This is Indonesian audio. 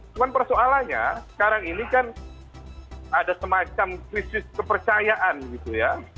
cuma persoalannya sekarang ini kan ada semacam krisis kepercayaan gitu ya